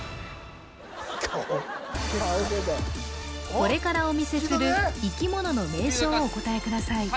これからお見せする生き物の名称をお答えください